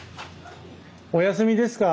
お休みですか？